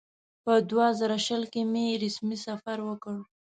په دوه زره شل کال کې مې رسمي سفر وکړ.